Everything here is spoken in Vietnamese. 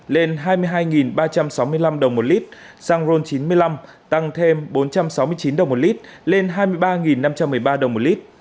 tăng hai ba trăm sáu mươi năm đồng một lit xăng ron chín mươi năm tăng thêm bốn trăm sáu mươi chín đồng một lit lên hai mươi ba năm trăm một mươi ba đồng một lit